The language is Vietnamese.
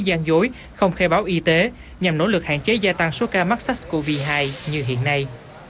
gian dối không khai báo y tế nhằm nỗ lực hạn chế gia tăng số ca mắc sars cov hai như hiện nay